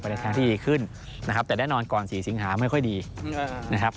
ในทางที่ดีขึ้นนะครับแต่แน่นอนก่อน๔สิงหาไม่ค่อยดีนะครับ